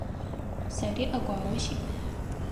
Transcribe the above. Сэри ӏэгуао сиӏэп.